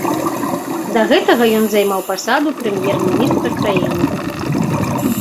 Да гэтага ён займаў пасаду прэм'ер-міністра краіны.